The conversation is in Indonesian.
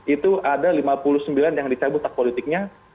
itu ada lima puluh sembilan yang dicabut hak politiknya